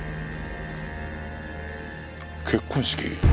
結婚式？